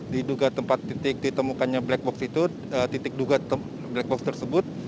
diduga tempat titik ditemukannya black box itu titik duga black box tersebut